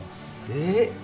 えっ？